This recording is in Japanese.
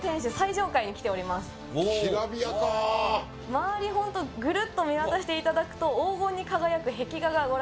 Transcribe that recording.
まわりホントぐるっと見渡していただくと黄金に輝く壁画がご覧いただけると思います